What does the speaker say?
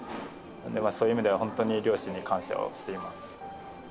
そういう意味では本当に両親に感謝をしています。